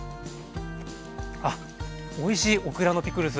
あっおいしいオクラのピクルス。